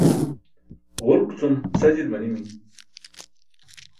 Ġulk cum sa jil manimi.